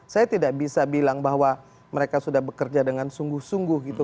saya tidak bisa bilang bahwa mereka sudah bekerja dengan sungguh sungguh gitu